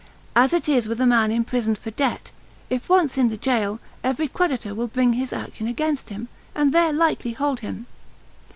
As it is with a man imprisoned for debt, if once in the gaol, every creditor will bring his action against him, and there likely hold him.